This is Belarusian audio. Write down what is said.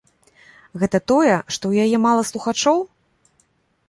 Гэта тое, што ў яе мала слухачоў?